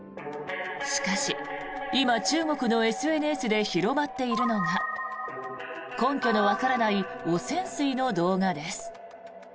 しかし、今中国のＳＮＳで広まっているのが根拠のわからない汚染水の動画です。